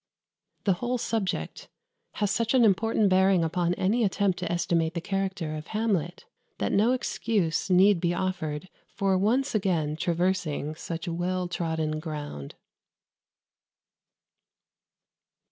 The whole subject has such an important bearing upon any attempt to estimate the character of Hamlet, that no excuse need be offered for once again traversing such well trodden ground.